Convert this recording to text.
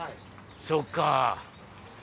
そっか！